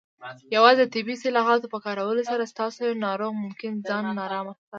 یوازې د طبي اصطلاحاتو په کارولو سره، ستاسو ناروغ ممکن ځان نارامه احساس کړي.